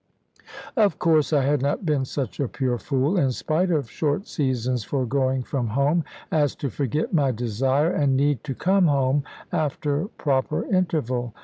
Of course I had not been such a pure fool in spite of short seasons for going from home as to forget my desire and need to come home, after proper interval.